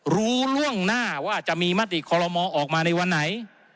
รู้ล่วงหน้าว่าจะมีมติคอลโลมอออกมาในวันไหน